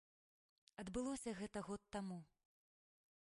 Адбылося гэта год таму.